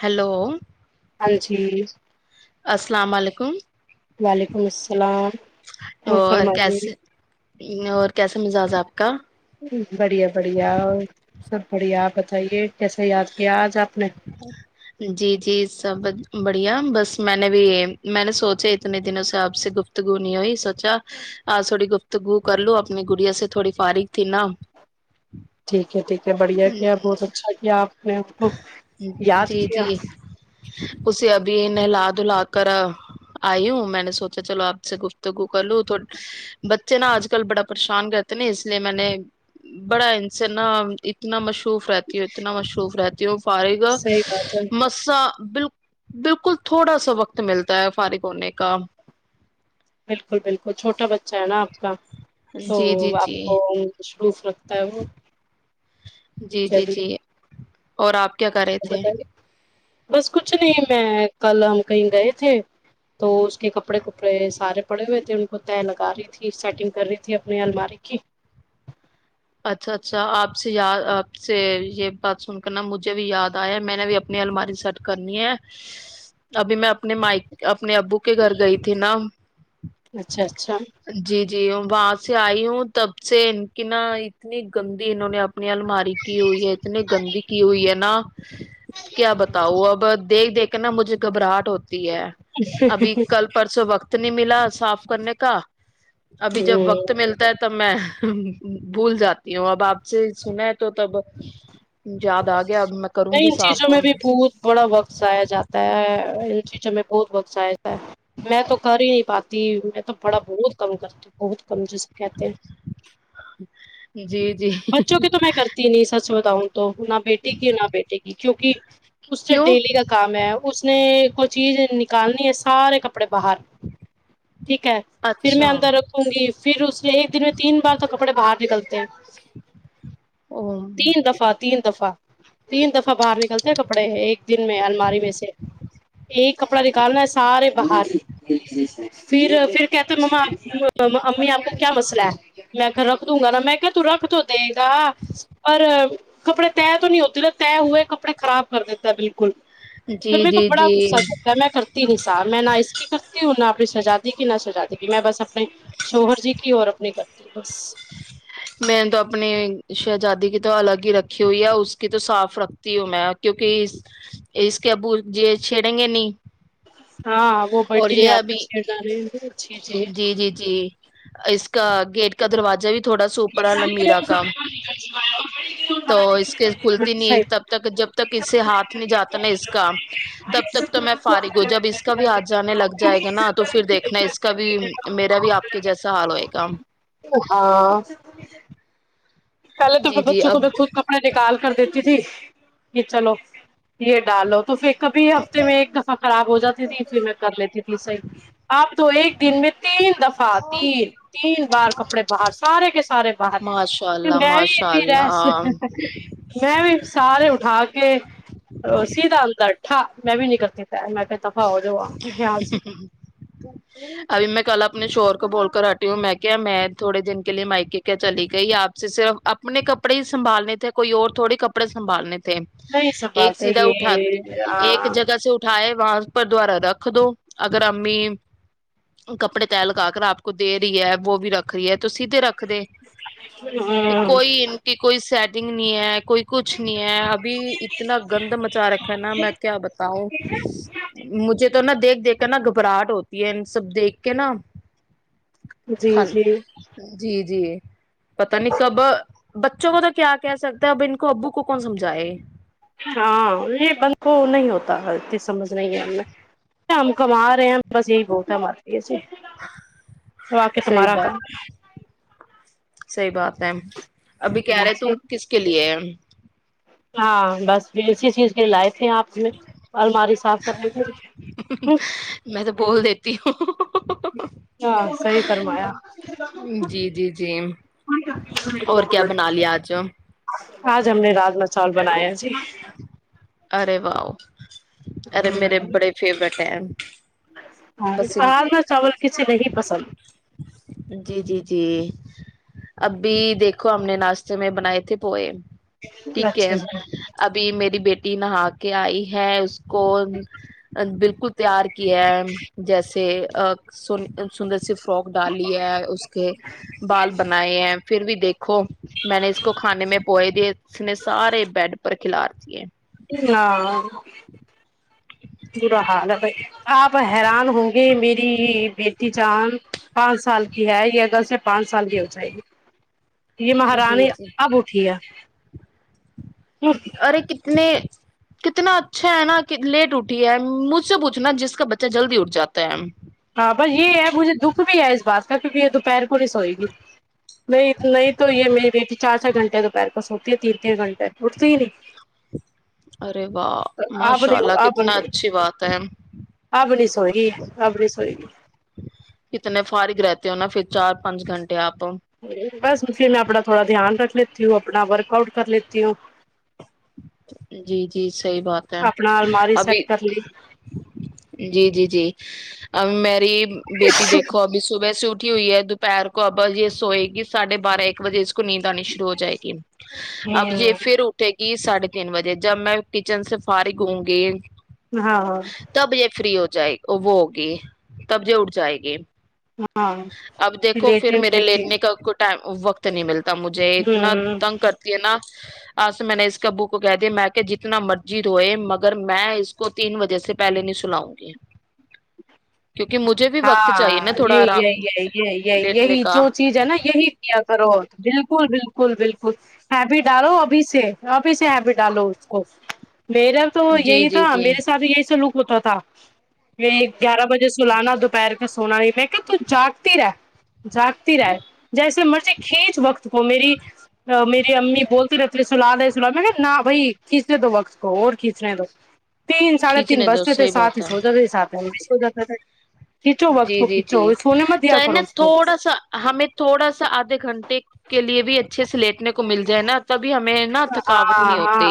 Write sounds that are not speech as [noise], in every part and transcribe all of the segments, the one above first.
hello ہاں جی کون وعلیکم السلام کو اور فرمائیے کیسے اور کیسا مزاج ہے آپ کا بڑھیا بڑھیا اور سب بڑھیاپ بتائیے کیسے یاد کیا آج آپ نے جی جی سب بڑ ڑ بس میں نے بھی میں نے سوچے اتنے دنوں سے آپ سے گفتگو نہیں ہوئی سوچا آج تھوڑی گفتگو کر لو اپنی گڑیا سے تھوڑی فارغ تھی نا ٹھیک ہے ٹھیک ہے بڑھیا کیا بہت اچھا کیا آپ نے ہم کو یاد جی کیا جی اسے اب بھی انہیں لا دلا کر آئی ہوں میں نے سوچا چلو آپ سے گفتگو کر لوں تو بچے نا آج کل بڑا پریشان کرتے نا اس لیے میں نے بڑا ان سے نا اتنا مشور شوف فرتی ہوت ن شوف رہتی پارے گا صحیح بات ہے مسا بالکل بالکل تھوڑا سا وقت ملتا ہے فارغ ہونے کا بالکل بالکل چھوٹا بچہ ا ہے نا آپ کا تو جی جی آپ جی کو روف رکھتا ہے وہ جی جی جی چلیے اور آپ کے کیا کر رہے تھے بتائیے بس کچھ نہیں میں کل ہم کہیں گئے تھے تو اس کے کپڑے کپڑے سارے پڑے ہوئے تھے ان کو طے لگا رہی تھی سیٹنگ کر رہی تھی اپنی الماری کی اچھا اچھا آپ سے یا آپ سے یہ بات سن کرنا مجھے بھی یاد آیا ہے میں نے بھی اپنی الماری سیٹ کرنی ہے ابھی میں اپنے مائک اپنے ابو کے گھر گئی تھی نا اچھا اچھا جی جی جی ہ وہاں سے آئی ہوں تب سے ان کی نہ اتنی گندی انہوں نے اپنی الماری کی ہوئی ہے اتنی گندی کی ہوئی ہے نا کیا بتاؤ اب دیکھ دیکھ کہنا مجھے گبراہٹ ہو ہے ابھی ہوں کل پرسوں وقت اتنی ملا صاف کرنے کا ابھی جب وقت ملتا ہے تب میں بھول جات یہا باپ سے سنا تو تب یاد آ گیا اب میں کروں نہیں گی ان صاف چیزوں میں بھی بہت بڑا وقت جایا جاتا ہے ان چیزوں بہت وقص آیاتا ہے میں تو کر ہی نہیں پاتی میں تو بڑا بہت کم کرتی ہوں بہت کمس کہتے ہیں جی جی بچوں کے تو میں کر نہیں سچ بتاؤں تو نہ بیٹے گ نہ بیٹھے گی کیونکہ [inaudible] اس سے کیوں ڈیلی کا کام ہے اس نے کو چیز نکالنی ہے سارے کپڑے کڑے باہر ٹھیک ہے پھر میں اچھا اندر رکھوں گی پھر اس نے ایک دن میں تین بار تو کپڑے باہر نکلتے کیا او تین دفعہ تین دفعہ تین دفعہ باہر نکلتے ہیں کپڑے ایک دن میں الماری میں سے ایک کپڑا نکالنا ہے سارے باہر پھر پھر کہتے مماپ امی آپ کا کیا مسلہ ہے میں رکھ دوں گا نا میں کہ رکھ تو دے گا پر کپڑے طے تو نہیں ہوتے ن طے ہوئے کپڑے خراب کر دیتا ہے بالکل پھر جی میں کو جی بڑا جی غصہ چلتا ہے میں کرتی نہیں سا میں نہ اس کی کرتی ہوں نہ سجا دی نہ سجا دی گی میں بس اپنے شوہر جی کی اور اپنے گھر بس میں نے تو اپنی شہزادی کی تو الگ ہی رکھی ہوئی ہے اس کی تو صاف رکھتی ہوں میں کیونکہ اس کے ابو یہ چھیڑیں گے نہیں ہاں وہ اور بٹن یہ ابھی آپس کر ڈا رہے جی جی جی اس کا گیٹ کا دروازہ بھی تھوڑا سوپر ہے لمبیرا کا تو اس کے کھلتی نہیں تب تک جب تک اسے ہاتھ نہیں جاتا نا اس کا تب تک تو میں فارغ ہوں جب اس کا بھی ہاتھ لگ جائے گا نا تو پھر دیکھنا اس کا بھی میرا بھی آپ کے جیسا حال کوئی کم ہاں پہل تو جی اپنے جی بچوں کو اب میں خود کپڑے نکال کر دیتے تھی یہ چلو یہ ڈالو تو پھر کبھی ہفتے میں ایک دفعہ خراب ہو جاتی تھی پھر میں کر لیتی تھی صحیح آپ تو ایک دن میں تین دفعہ تین تین بار کپڑے باہر سارے کے سارے باہر ماشاء اللہ میں بھی ماشاء انی رس اللہ میں بھی سارے اٹھا کے رسیی ہاں میں بھی نہیں کرتی میں ہو جاؤ وہاں سے یہاں سے ابھی میں کل اپنے شور کو بول کر ہٹی ہوں میں کیا میں تھوڑے دن کے لیے مائکے کیا چلی گئی آپ سے صرف اپنے کپڑے ہی سنبھالنے تھے کوئی اور تھوڑے کپڑے سنبھالنے تھے تھ نہیں ایک سنبھالتے سیدھا اٹھا یہ ایک آ، جگہ سے اٹھاائے آواز پر [inaudible] دوارا رکھ دو اگر امی کپڑے لگا کر آپ کو دے رہی ہے وہ بھی رکھ رہی ہے تو سیھے رکھ ہاں کوئی اٹی کوئی سٹ دگنی ایک کوئی کچھ نہیں ہے ابھی اتنا گند مچا رک ہے نا میں کیا بتاؤں مجھے تو نا دیکھ دیکھ کے نا گھبراہٹ ہوتی ہے ان سب دیکھ کے نا جی خل جی جی جی پتا نہیں کب بچوں کو تو کیا کہہ سکتے اب ان کو ابو کو کون سمجھائے ہاں یہ بند کو نہیں ہوتا انی سمجھ نہیں ہے ہم نے ہم کما رہے ہیں بس یہی بہت ہے ہمار واق صحیح تمہارا بات کام صحیح بات ہے ابھی کہہ رہے تو کس کے لیے ہے ہاں بس اسی چیز کی لائف آپ میں ال ہماری صاف کر ہ میں تو بول دیتی ہوں ہاں سی فرمایا جی جی جی اور کیا بنا لیا آج آج ہم نے رات م چول بنایا جی ارے واؤ ارے میرے بڑے فیورٹ [inaudible] ہ بہر میں چاول کسی نہیں پسند جی جی جی ابھی دیکھو ہم نے ناشتے میں بنائے تھے پوئے ٹھیک ہے اچھا اچھا ابھی میری بیٹی نہا کے آئی ہے اس کو بالکل تیار کیا جیسے سنی سندر سےف فوک ڈال ہے اس کے بال بنائے ہیں پھر بھی دیکھو میں نے اس کو کھانے میں پوئے دیے اس نے سارے بیڈ کھلارتی ہے ہاں برا حال ہے بھائی آپ حیران ہے میری بیٹی چاند پانچ سال کی ہے یہ اگرل سے پانچ سال کی ہو جائے گی یہ مہارانی اب اٹھی ہے اوررے کتنے کتنا اچھا ہے نا لیٹ اٹھی ہے مجھ سے پوچھناا جس کا بچہ جلدی اٹھ جاتا ہے کیا کیکہ یہ دوپہر کو نہیں سوئے گی نہیں نہیں تو یہ میری بیٹی چای گھنٹے دوپہر کو سوتی ہے تین تین گھنٹےٹتی ہی نہیں ارے واہ تو آب ماشاء نے اللہ آب نے کتنا اچھی بات ہے آبنی سوئیی ابنی کتنے فارغ رہتے ہو نا پھر چار پانچ گھنٹے آپ بس پھر میں اپنا تھوڑا دھیان رکھ لیتی ہوں اپنا ورک آؤٹ کر لیتی ہوں جی جی صحیح بات ہے اپنا الماری ابھی سیٹ کر لی جی جی جی ا میری بیٹی دیکھو ابھی صبح سے اٹھ کٹھی ہوئی ہے دوپہر کو اب یہ سوئے گی سھے بارہ ایک بجے کو نیند آنی شروع ہو جائے گی اب ہوں یہ پھر اٹھے گی ساڑھے تین بجے جب میں کچن سے فارغگ ہوں گی ہاں ہاں تب یہ فری ہوتا جائے وہ ہوگی تب ج اٹھ جائے گی ہاں اب دیکھو پھر لیٹے نہیں میرے دیتی لیٹنے کا کو ٹم وقت نہیں ملتا مجھے اتنا ہوں تنگ کرتی ہے نا آس میں نے اس کبو کو کہہ دیا میں کہ جتنا مرجی ہوئے مگر میں اس کو تین بجے سے پہلے نہیں سناؤں گی کیونکہ مجھے بھی وقت چاہیے نا ہاں تھوڑا یہی آرام یہی یہی یہی یہی لیٹنے یہی کا جو چیز ہے نا یہی کیایا کرو بالکل بالکل بالکل ہے بھی ڈالو ابھی سے ابھی سے ہے بھی ڈالو اس کو میرا تو جی یہی جی تھا جی میرے سات یہی س لک ہوتا تھا میں گیارہ بجے سلانا تو پیر کے سونا نہیں میں کہ ت جاگتی رہ جاگتی رہ جیسے مرضی کھینچ وقت کو میری میری امی بولتی رہتی سلاد سلاد میں نہ بھائی کھینچنے دو وقت کو اور کھینچنے دو تین ساڑھے تین کھینچنے دو بستے تھ صحیح سات بات ہی ہے سوچا رہ سات جا تھا جی جی جی چاہ نا اس کو تھوڑا سا ہمیں تھوڑا سا آدھے گھنٹے کے لیے بھی اچا اچھے سے لیٹنے کو مل جائے نا اب بھی ہمیں نہ تھکاوٹ ہاں نہیں ہاں ہوتی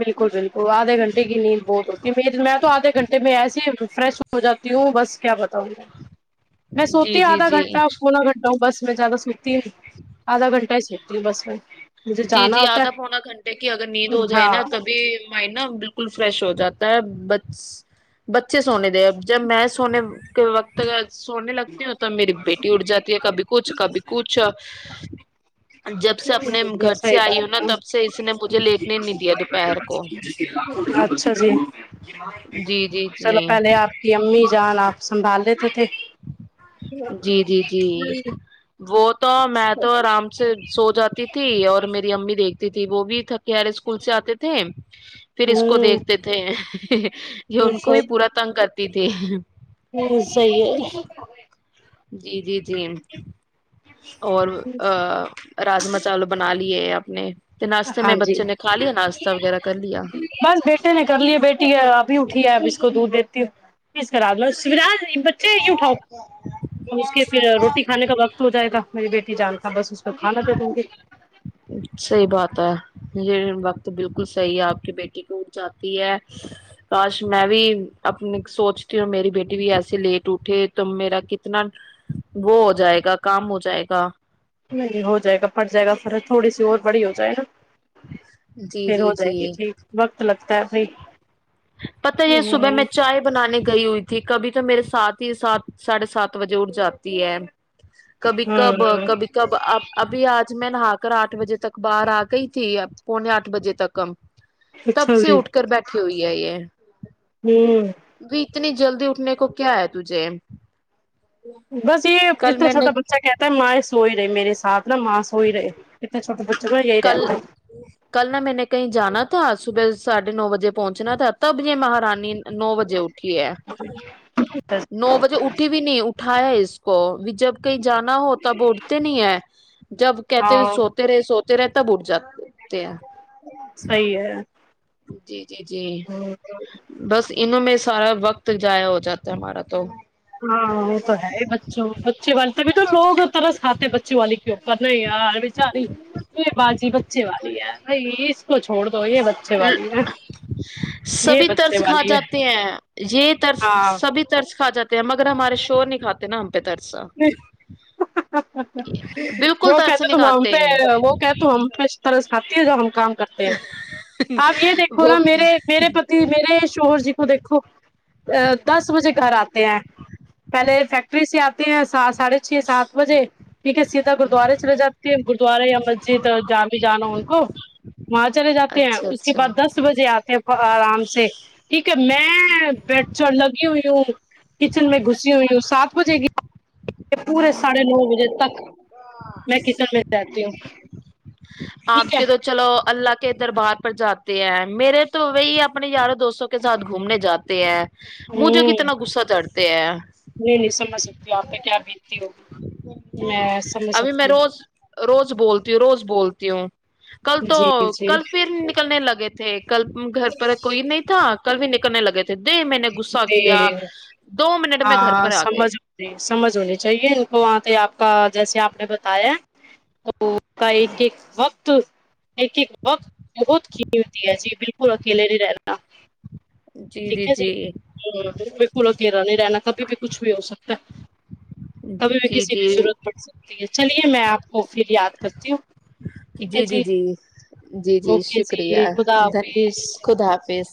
بالکل بالکل آدھے گھٹے کی نیند بہت ہوتی میری میں تودھے گھنٹے میں ای فریش ہو جاتی ہوں بس کیا بتاؤں گا میں جی سوتی ہ جی آدھا جی گھنٹہ پونا گھنٹہ ہوں بس میں زیاد س تین آدھا گھنٹہ کس س ہوکتی بس میں مجھے جی جانا جی ہوتا آدا پونا گھنٹے کی اگر نیند ہے ہو جو نا ہاں تبھی مائنڈ نا بالکل فریش ہو جاتا ہے بچ بت اچھے سونے دے اب جب میں سونے وقت کا سونے لگتی ہ تو میری بیٹی اڑ جاتی ہے کبھی کچھ کبھی کچھ جب سے اپنے سے حی آئی ہو نا بات تب سے اس نے مجھے لیٹنے نہیں دیا دوپہر کو اچھا جی جی جی چلو جی پہلے آپ کی امی جا آپ سنبھال لیتے تھے جی جی جی وہ تو میں تو آرام سے سو جاتی تھی اور میری امی دیکھتی تھی وہ بھی ر اسکول سے آتے تھے پھر اس کو ہوں دیکھتے تھے یہ یہ ان کو بھی پورا صحیح تنگ کر [inaudible] [inaudible] جی جی جی اور راجما چاول بنا ے اپنے ناشتے میں ہاں جی بچے نے کھا لیا ناشتہ وغیرہ کر لیا بس بیٹے نے کر لی ہے بیٹی ہے آپ بھی اٹھی ہے اب اس کو دودھ دیتی ہوں پز کرا لو سج بچے ی اٹھاؤ اس کے پھر روٹی کھانے کا وقت ہو جائے گا میری بیٹی جان تھا بس اس کو کھانا دی دوںی ہو یہ وقت بالکل صحیح ہے آپ کی بیٹی کی اٹھ جاتی ہے کاش میں بھی اپنے سوچتی ہوں میری بیٹی بھی ایسے لیٹ اٹھے ت میرا کتنا وہ ہو جائے گا کام ہو جائے گا نہیں ہو جائے گا پٹ جائے گا فر تھوڑی سی اور بڑی ہو جائے نا پھر ہو جائے گی ٹھیک وقت لگ پت یہ صبح میں چائے بنانے کے گئی ہوئی تھی کبھی تو میرے ساتھ ہی سات ساڑھے سات بجے اٹھ جاتی ہے کبھی کب ہاں کبھی کب اب ابھی آ آج میں نہا کر آٹھ بجے تک باہر آ گئی تھی اب پونے آٹھ بجے تک ہم تب اچھا سے اٹھ کر بیٹھھی ہوئے [unintelligible] ہاں اتنی جلدی اٹھنے کو کیا ہے تجھے بس یہ کل اتنا میں نے چھوٹا بچہ کہتا ہے ماں سوئے رہے میرے ساتھ اپنا ماں سو ہی رہے کت چھوٹے بچے کو جی کل رہےتے صبحاھے نو بجے پہنچنا ت ا تبجے مہارانی نو بجے اٹھی ہے ہے نو بجے اٹھی بھی نہیں اٹھایا اس کو جب کئی جانا ہو تب اٹتے نہیں ہے جب کہتے ہاں سوتے رہے سوتے رہے تب اٹ جاتے ہیں صحیح جی جی جی ہے بس ان میں سارا وقت جضائیا ہو جاتا ہے ہمارا تو ہاں وہ تو ہے بچوں بچے والے تبھی تو لوگ طرح سےھاتے ہیں بچوں والے کیوں پت نہیں ہی ہے ار بچاری تو بازی بچے والی ہے بائی چھوڑ دو یہ بچے والی ہے یہ سبھی بچے طرس کھا والی ہے جاتے ہیں یہ ترس ہاں سبھی ترس کھا جاتے ا مگر ہمارے شور نہیں کاتے نہ ہم پہ ترس اچھا بالکل وہ ترس کہتے ت نہیں ہم کھاتے پہ وہ کہتے ہم پہ اس طرح سے ہاتی ج ہم کام کرتے ہیں آپ یہ دیکھو وہ نا میرے میرے پتی میرے شوہر جی کو دیکھو دس بجے گھر آتے ہیں پہلے فیکٹری س آپ ہیںحساس ساھے چھ ساتجے ٹھیک ستا گردوارے چل جاتی ہے گردوارے مسجد جام ہی جانا ان کو وہاں چلے جاتے ہیں اچھا اس کے اچھا بعد دس بجے آتے ہیں آرام سے ٹھیک کہ میں پٹ چڑھ لگی ہوئی ہوں کچن میں گھسی ہوئی ہوں سات بجے گ پورے ساڑھے نو بجے تک میں کچن میں رہتی ہوں آپ ٹھیک ہے کے تو چلو اللہ کے دربار پر جاتے ہیں میرے توو ہی اپنے اروں دوستوں کے ساتھ گھومنے جاتے ہیں مجھے ہوں کتنا غصہ چڑھتے ہیں یہاں پہ کیا بنتی ہوگی میں سمجھ ابھی میں سکتی روز ہوں روز بولتی ہوں روز بولتی ہوں کل تو جی جی کل پھر نکلنے لگے تھے تو کل گھر پر کوئی نہیں تھا کل بھی نکلنے لگے تھے دے میں نے غصہ کیا دو منٹ میں گھر ہاں پر آ گئے سمجھ سمجھ ہونی چاہیے ان کو وہاں پ آپ کا جیسے آپ نے بتایا تو کا ایک ایک وقت ایک ایک وقت بہت کرتی ہے جی بالکل اکیلے نہیں رہنا جی جی جی ہ کلا میرا نہیں رہنا کبھی بھی کچھ بھی ہو سکتا ہے اب ہمیں جی کسی بھی جی ضرورت پڑ سکتی ہے چلیے میں آپ کو پھر یاد کرتی ہوں ٹھیک ہے جی جی جی جی جی اوکے شکریہ جی خدا حافظ خد حافظ